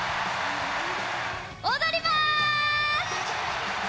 踊ります。